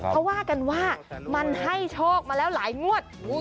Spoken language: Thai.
เขาว่ากันว่ามันให้โชคมาแล้วหลายงวด